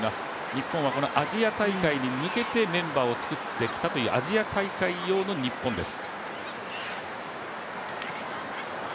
日本はアジア大会に向けてメンバーを作ってきたという、アジア大会用の日本です。